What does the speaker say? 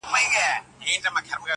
o سترگي لكه دوې ډېوې.